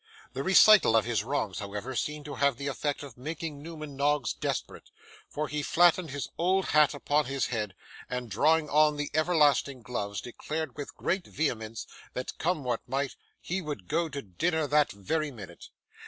The recital of his wrongs, however, seemed to have the effect of making Newman Noggs desperate; for he flattened his old hat upon his head, and drawing on the everlasting gloves, declared with great vehemence, that come what might, he would go to dinner that very minute.